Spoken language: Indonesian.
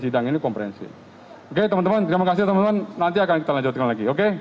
sidang ini komprehensif oke teman teman terima kasih teman teman nanti akan kita lanjutkan lagi oke